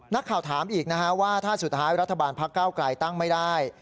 นักข่าวถามอีกนะฮะว่าถ้าสุดท้ายรัฐบาลพักเก้าไกลตั้งไม่ได้